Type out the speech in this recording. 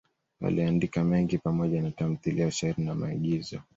Aliandika mengi pamoja na tamthiliya, shairi na maigizo.